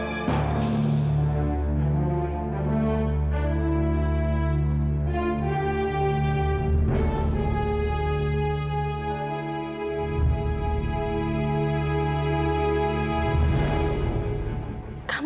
tuhan as lamum